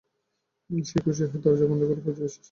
সে খুশি হয়ে দরজা বন্ধ করে পুজোয় বসেছে।